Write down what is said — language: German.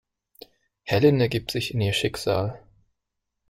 Helen ergibt sich in ihr Schicksal.